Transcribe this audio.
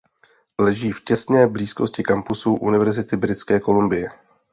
Leží v těsné blízkosti kampusu Univerzity Britské Kolumbie.